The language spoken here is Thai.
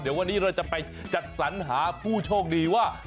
เดี๋ยววันนี้เราจะไปจัดสรรหาผู้โชคดีว่า